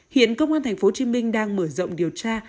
hiện công an tp hcm đang mở rộng điều tra